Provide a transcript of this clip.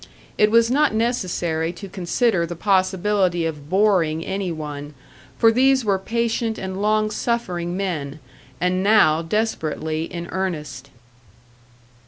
It was not necessary to consider the possibility of boring any one, for these were patient and long suffering men, and now desperately in earnest.